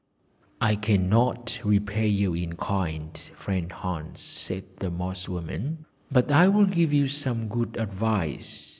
'I cannot repay you in kind, friend Hans,' said the Moss woman, 'but I will give you some good advice.